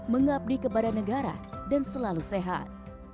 mengabdi kepada negara dan selalu sehat